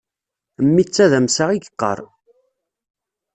Mmi d tadamsa i yeqqar.